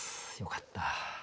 よかった。